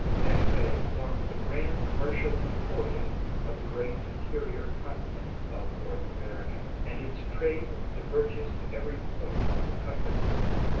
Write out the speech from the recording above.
Santa Fé forms the grand commercial emporium of the great interior continent of North America; and its trade diverges to every point of the compass.